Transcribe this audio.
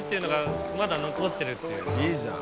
いいじゃん。